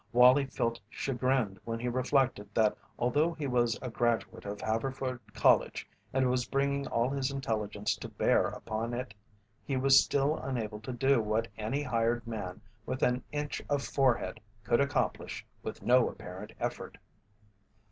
Wallie felt chagrined when he reflected that although he was a graduate of Haverford College and was bringing all his intelligence to bear upon it he was still unable to do what any hired man with an inch of forehead could accomplish with no apparent effort.